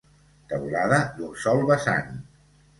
Teulada d'un sol vessant.